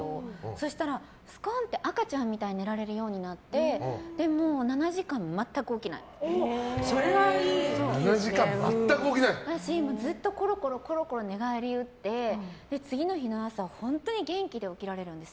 そうしたら、スコンと赤ちゃんみたいに寝られるようになってそれはいい！だし、ずっとコロコロ寝返り打って次の日の朝本当に元気で起きられるんです。